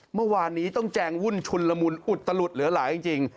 เมื่อวานนี้ต้องแจงวุ่นชุนละมุนอุตลุดเหลือหลายจริง